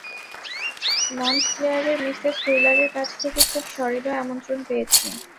মণ্টক্লেয়ারের Mrs হুইলারের কাছ থেকে খুব সহৃদয় আমন্ত্রণ পেয়েছি।